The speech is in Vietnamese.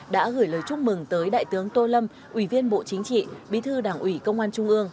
đã gửi lời chúc mừng tới đại tướng tô lâm ủy viên bộ chính trị bí thư đảng ủy công an trung ương